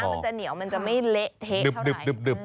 โดยเป็นเหนียวนะมันจะเหนียวมันจะไม่เละเท๊ะเท่าไหร่